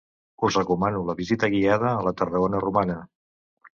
Us recomano la visita guiada a la Tarragona romana.